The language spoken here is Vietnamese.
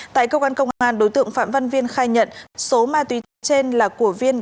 tại công an công an đối tượng phạm văn viên khai nhận số ma túy trên là của viên